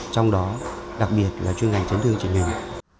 trong đó đặc biệt là chuyên ngành chấn thương trình hình